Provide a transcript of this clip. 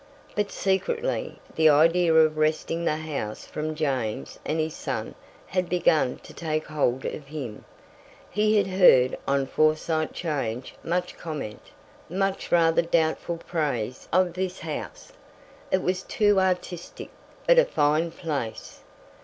But secretly, the idea of wresting the house from James and his son had begun to take hold of him. He had heard on Forsyte 'Change much comment, much rather doubtful praise of this house. It was "too artistic," but a fine place.